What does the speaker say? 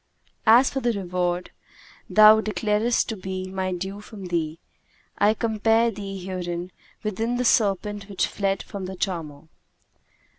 As for the reward thou declarest to be my due from thee, I compare thee herein with the serpent which fled from the charmer.